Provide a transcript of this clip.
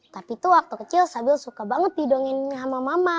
tapi waktu kecil sabil suka banget didongengin sama mama